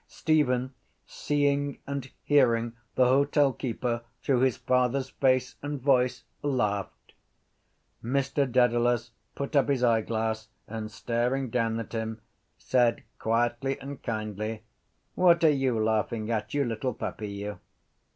Stephen, seeing and hearing the hotel keeper through his father’s face and voice, laughed. Mr Dedalus put up his eyeglass and, staring down at him, said quietly and kindly: —What are you laughing at, you little puppy, you?